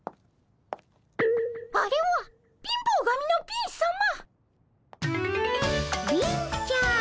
あれは貧乏神の貧さま。